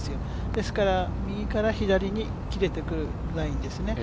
ですから、右から左に切れてくるラインですね。